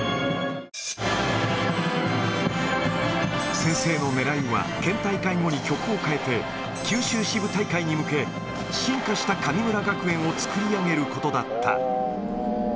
先生のねらいは県大会後に曲を変えて、九州支部大会に向け、進化した神村学園を作り上げることだった。